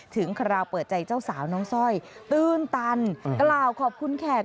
คราวเปิดใจเจ้าสาวน้องสร้อยตื้นตันกล่าวขอบคุณแขก